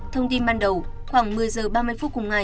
thông tin ban đầu khoảng một mươi giờ ba mươi phút cùng ngày